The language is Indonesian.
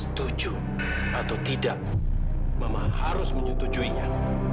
setuju atau tidak memang harus menyetujuinya